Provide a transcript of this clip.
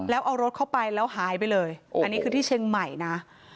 แล้วเอารถเข้าไปแล้วหายไปเลยอันนี้คือที่เชียงใหม่นะ